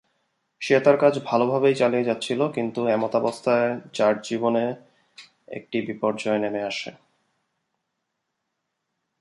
সে তার কাজ ভালোভাবেই চালিয়ে যাচ্ছিল, কিন্তু এমতাবস্থায় যার জীবনে একটি বিপর্যয় নেমে আসে।